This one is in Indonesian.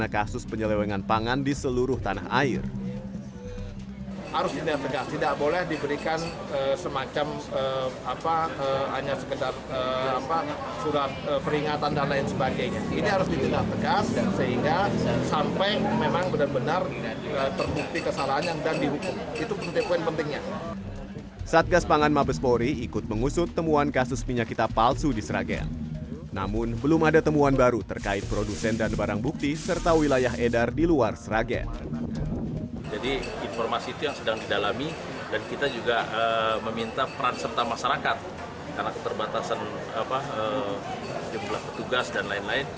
karena keterbatasan jumlah petugas dan lain lain untuk memberikan informasi secara betul